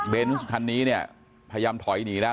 คันนี้เนี่ยพยายามถอยหนีแล้ว